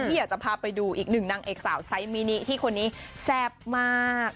อยากจะพาไปดูอีกหนึ่งนางเอกสาวไซส์มินิที่คนนี้แซ่บมาก